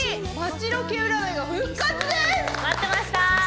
待ってました。